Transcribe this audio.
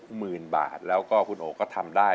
หมื่นบาทแล้วก็คุณโอก็ทำได้